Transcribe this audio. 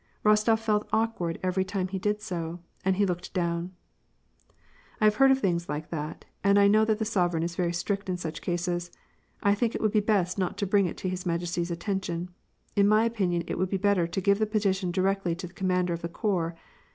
Ros tof felt awkward every time that he did so, and he looked down. " I have heard of things like that, and I know that the sov ereign is very strict in such cases. I think it would be best not to bring it to his majesty's attention. In my opinion, it would be better to give the petition directly to the commander of the corps.